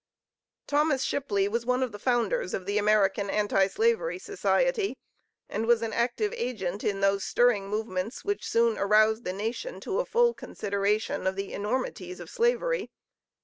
Thomas Shipley was one of the founders of the American Anti Slavery Society, and was an active agent in those stirring movements which soon aroused the nation to a full consideration of the enormities of Slavery.